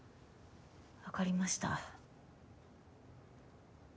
わかりました。